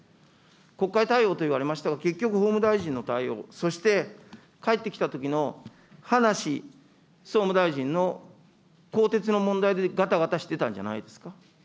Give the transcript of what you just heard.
国会対応と言われましたが、結局、法務大臣の対応、そして帰ってきたときの葉梨総務大臣の更迭の問題でがたがたしてたんじゃないですか。